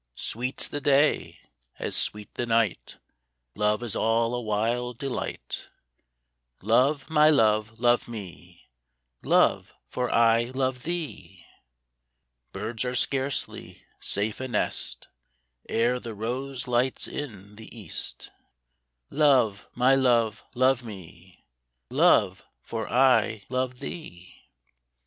Sweet's the day, as sweet the night, Life is all a wild delight :" Love, my love, love me, Love, for I love thee !" Birds are scarcely safe a nest Ere the rose light's in the east :" Love, my love, love me, Love, for I love thee